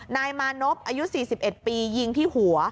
นายมานพอายุ๔๑ปียิงที่หัว